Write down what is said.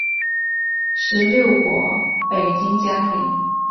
十六国北凉将领。